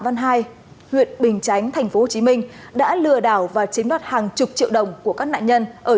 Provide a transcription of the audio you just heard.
văn hai huyện bình chánh tp hcm đã lừa đảo và chiếm đoạt hàng chục triệu đồng của các nạn nhân ở